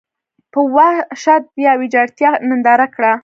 په وحشت دا ویجاړتیا ننداره کړه.